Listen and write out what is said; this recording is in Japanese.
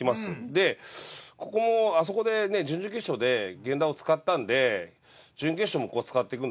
でここもあそこでね準々決勝で源田を使ったんで準決勝もここは使っていくんだなって。